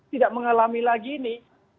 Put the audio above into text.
tidak mengalami lagi ini